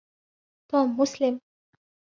توم مسلم.